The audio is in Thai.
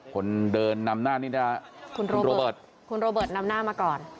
คนเดินนำหน้านี่นะคุณโรเบิร์ตคุณโรเบิร์ตนำหน้ามาก่อน